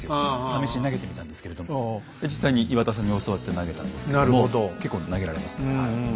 試しに投げてみたんですけれど実際に岩田さんに教わって投げたんですけども結構投げられますねはい。